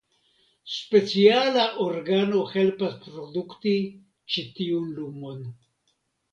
Speciala organo helpas produkti ĉi tiun lumon.